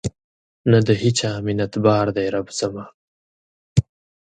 نه د هیچا منتبار دی رب زما